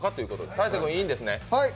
大晴君いいんですね。